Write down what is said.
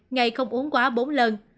ngày không uống quá bốn lần